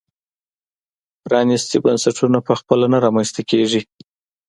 پرانیستي بنسټونه په خپله نه رامنځته کېږي.